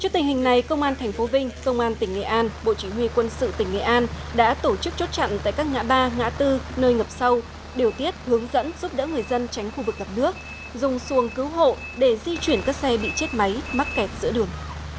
tp vinh công an tỉnh nghệ an bộ chỉ huy quân sự tỉnh nghệ an đã tổ chức chốt chặn tại các ngã ba ngã tư nơi ngập sâu điều tiết hướng dẫn giúp đỡ người dân tránh khu vực ngập nước dùng xuồng cứu hộ để di chuyển các xe bị chết máy mắc kẹt giữa đường